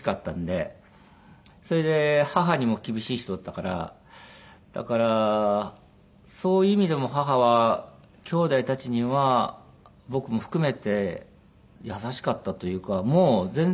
それで母にも厳しい人だったからだからそういう意味でも母はきょうだいたちには僕も含めて優しかったというかもう全然。